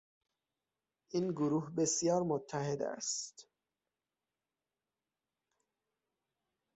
این گروه بسیار متحد است.